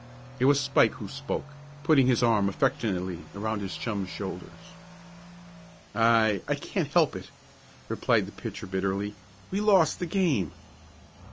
It was Spike who spoke, putting his arm affectionately around his chum's shoulders. "I I can't help it," replied the pitcher, bitterly. "We lost the game."